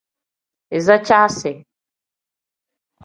Iza caasi.